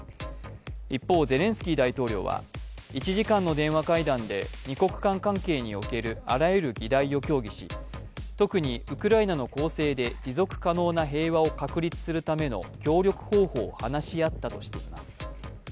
一方、ゼレンスキー大統領は１時間の電話会談で二国間関係におけるあらゆる議題を協議し特にウクライナの公正で持続可能な平和を確立するための協力方法を話し合ったとしています。